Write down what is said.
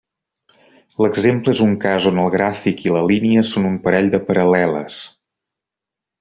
L'exemple és un cas on el gràfic i la línia són un parell de paral·leles.